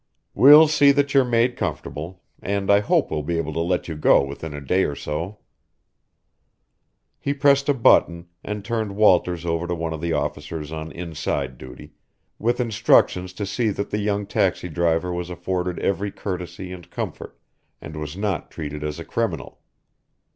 "We'll see that you're made comfortable, and I hope we'll be able to let you go within a day or so." He pressed a button, and turned Walters over to one of the officers on inside duty, with instructions to see that the young taxi driver was afforded every courtesy and comfort, and was not treated as a criminal.